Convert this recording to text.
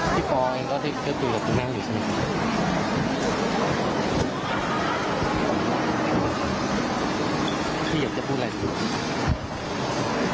พี่อยากจะพูดอะไรกัน